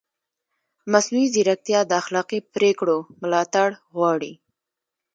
مصنوعي ځیرکتیا د اخلاقي پرېکړو ملاتړ غواړي.